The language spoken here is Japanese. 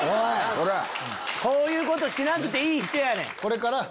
こういうことしなくていい人やねん。